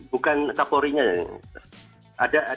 bukan kapolri nya